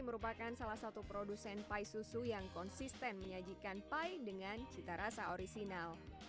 merupakan salah satu produsen pie susu yang konsisten menyajikan pie dengan cita rasa orisinal